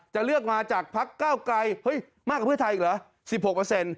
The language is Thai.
จะเลือกมาจากภักดิ์เก้าไกรมากกว่าเพื่อไทยอีกเหรอ๑๖